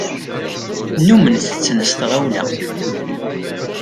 Nnumen tetten s tɣawla.